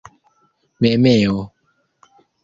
memeo